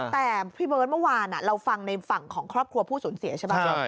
แต่พี่เบิร์ตเมื่อวานเราฟังในฝั่งของครอบครัวผู้สูญเสียใช่ไหม